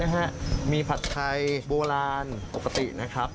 คือผัดไทยโบราณปฏินะครับ